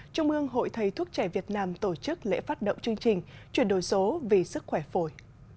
trung ương hội thầy thuốc trẻ việt nam tổ chức lễ phát động chương trình chuyển đổi số vì sức khỏe phổi